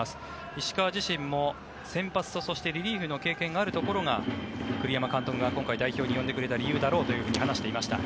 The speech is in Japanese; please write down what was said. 石川自身も先発と、そしてリリーフの経験があるところが栗山監督が今回代表に呼んでくれた理由だろうと話していました。